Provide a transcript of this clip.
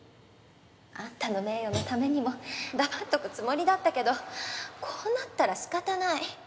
あんたの名誉のためにも黙っとくつもりだったけどこうなったらしかたない。